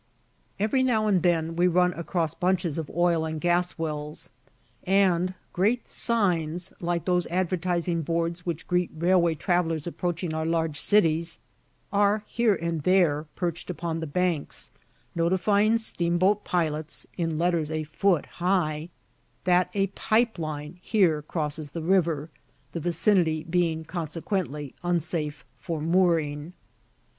Every now and then we run across bunches of oil and gas wells; and great signs, like those advertising boards which greet railway travelers approaching our large cities, are here and there perched upon the banks, notifying steamboat pilots, in letters a foot high, that a pipe line here crosses the river, the vicinity being consequently unsafe for mooring.